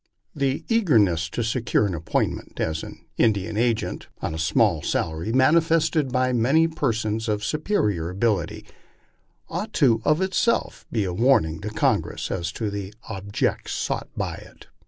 The eagerness to secure an appointment as Indian agent, on a small salary, manifested by many persons of superior ability, ought of itself to be a warning to Congress as to the objects sought by it.